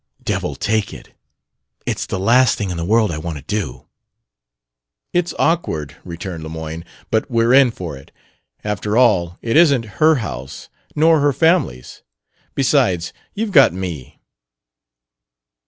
"Devil take it; it's the last thing in the world I want to do!" "It's awkward," returned Lemoyne, "but we're in for it. After all, it isn't her house, nor her family's. Besides, you've got me."